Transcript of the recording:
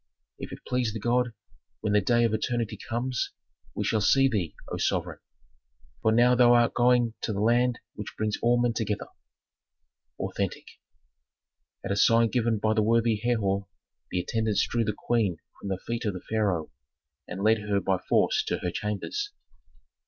"If it please the god, when the day of eternity comes, we shall see thee, O sovereign! For now thou art going to the land which brings all men together." Authentic. At a sign given by the worthy Herhor, the attendants drew the queen from the feet of the pharaoh, and led her by force to her chambers.